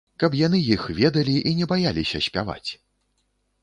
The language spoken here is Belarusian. Каб яны іх ведалі і не баяліся спяваць.